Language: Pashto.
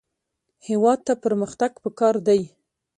هېواد ته پرمختګ پکار دی